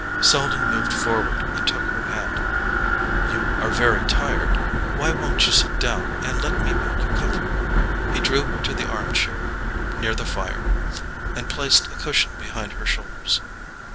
Selden moved forward and took her hand. "You are very tired. Why won't you sit down and let me make you comfortable?" He drew her to the arm chair near the fire, and placed a cushion behind her shoulders.